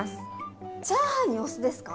チャーハンにお酢ですか？